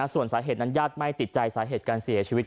ส่วนสาเหตุนั้นญาติไม่ติดใจสาเหตุการเสียชีวิต